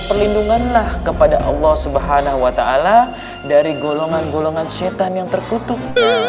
perlindungan lah kepada allah subhanahu wa ta'ala dari golongan golongan syetan yang terkutuk